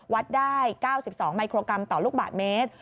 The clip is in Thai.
วัดได้๙๒มิโครกรัมต่อลูกบาทเมตร